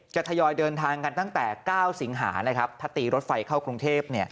ทยอยเดินทางกันตั้งแต่๙สิงหานะครับถ้าตีรถไฟเข้ากรุงเทพ